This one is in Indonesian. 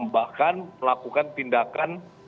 bahkan melakukan tindakan